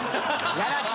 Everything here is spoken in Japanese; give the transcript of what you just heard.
やらしい！